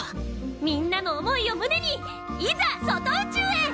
みんなの思いを胸にいざ外宇宙へ！